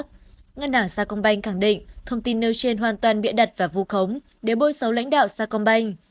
chủ tịch hội đồng quản trị ngân hàng sa công banh cẳng định thông tin nêu trên hoàn toàn bị đặt vào vụ khống để bôi xấu lãnh đạo sa công banh